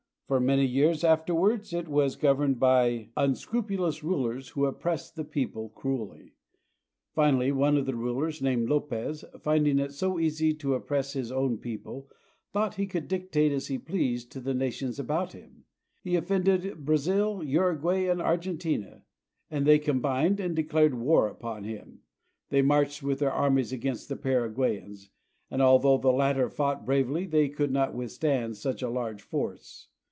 For many years afterwards it was governed by unscrupulous rulers who oppressed the people cruelly. PARAGUAY. 22 1 Finally, one of the rulers, named Lopez, finding it so easy to oppress his own people, thought he could dictate as he pleased to the nations about him. He offended Brazil, Uruguay, and Argentina, and they combined and declared war upon him. They marched with their armies against the Paraguayans, and although the latter fought bravely they could not withstand such a large force.